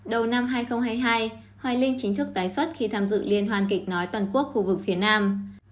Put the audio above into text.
đầu năm hai nghìn hai mươi hai hoài linh chính thức tái xuất khi tham dự liên hoàn kịch nói toàn quốc khu vực phía nam